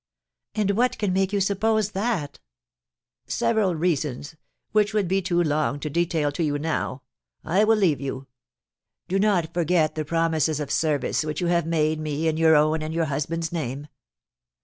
"And what can make you suppose that?" "Several reasons, which would be too long to detail to you now. I will leave you. Do not forget the promises of service which you have made me in your own and your husband's name."